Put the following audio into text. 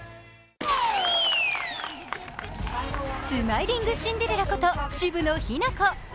スマイリングシンデレラこと渋野日向子。